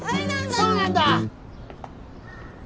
そうなんだ！